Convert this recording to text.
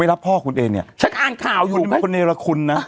ไม่รับพ่อคุณเองเนี้ยฉันอ่านข่าวอยู่ช่างในนี้ละคุณนะ